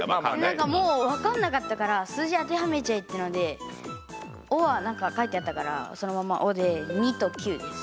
何かもう分かんなかったから数字当てはめちゃえっていうので「お」は書いてあったからそのまんま「お」で２と９です。